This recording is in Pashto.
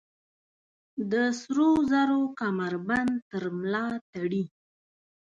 د سروزرو کمربند تر ملا تړلي